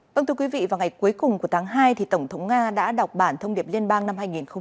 vâng thưa quý vị vào ngày cuối cùng của tháng hai tổng thống nga đã đọc bản thông điệp liên bang năm hai nghìn hai mươi